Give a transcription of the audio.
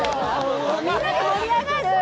みんなで盛り上がる。